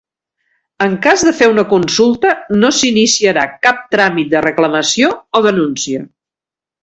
En cas de fer una consulta, no s'iniciarà cap tràmit de reclamació o denúncia.